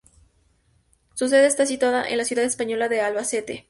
Su sede está situada en la ciudad española de Albacete.